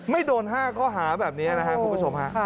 ไม่โดนห้าก็หาแบบนี้นะครับคุณผู้ชม